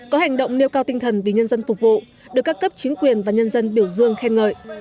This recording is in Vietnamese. có hành động nêu cao tinh thần vì nhân dân phục vụ được các cấp chính quyền và nhân dân biểu dương khen ngợi